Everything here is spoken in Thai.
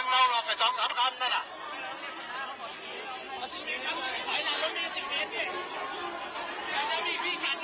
เคยก็คอยผ่านบ้านได้ยินเหมือนกันอีกอย่าง